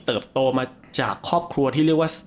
โตมาจากครอบครัวที่เรียกว่า